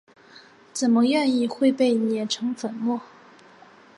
怎么愿意会被碾成粉末？